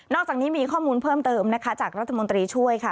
อกจากนี้มีข้อมูลเพิ่มเติมนะคะจากรัฐมนตรีช่วยค่ะ